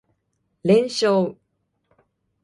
連勝